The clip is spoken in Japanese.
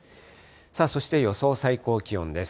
そして予想最高気温です。